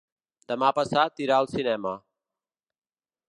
Demà passat irà al cinema.